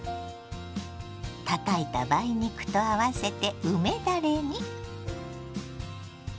たたいた梅肉と合わせて梅だれに。